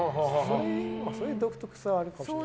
そういう独特性はあるかもしれない。